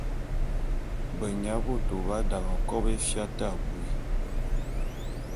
Benya bôto b’adane kòbo éfia te abui.